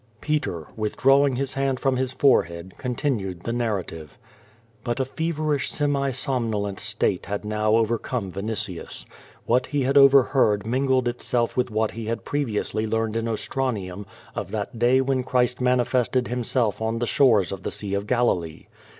Peter, withdrawing his hand from his forehead, continued the narrative. But a feverish semi somnolent state had now overcome Vinitius. What he had overheard mingled itself with what he had previously learned in Ostranium, of that day when Christ manifested himself on the shores of the sea of Galilee.